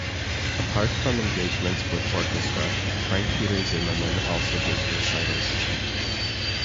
Apart from engagements with orchestra, Frank Peter Zimmermann also gives recitals.